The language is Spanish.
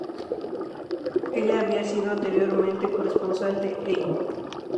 Ella había sido anteriormente corresponsal de "E!